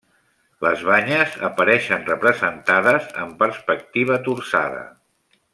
Les banyes apareixen representades amb perspectiva torçada.